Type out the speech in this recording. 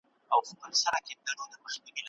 په دغه مابينځ کي نرمغالي ډېر په تېزۍ سره کار کوی.